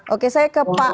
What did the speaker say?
oke saya ke pantai